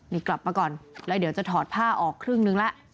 นี่กลับมาก่อนแล้วเดี๋ยวจะถอดผ้าออกครึ่งนึงแล้ว